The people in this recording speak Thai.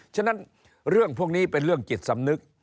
ฉะนั้นเรื่องพวกนี้เป็นเรื่องจิตสำนึก